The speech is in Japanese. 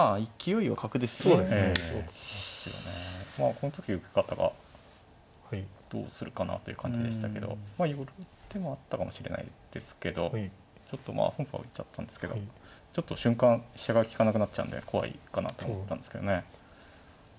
この時受け方がどうするかなって感じでしたけどまあ寄る手もあったかもしれないですけどちょっとまあ本譜は浮いちゃったんですけどちょっと瞬間飛車が利かなくなっちゃうんで怖いかなと思ったんですけどね。